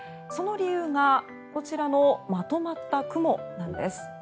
その理由がこちらのまとまった雲なんです。